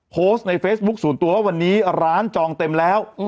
โพสต์ในเฟซบุ๊คส่วนตัวว่าวันนี้ร้านจองเต็มแล้ว